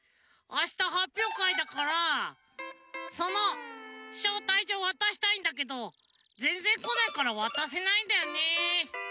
あしたはっぴょうかいだからそのしょうたいじょうわたしたいんだけどぜんぜんこないからわたせないんだよね。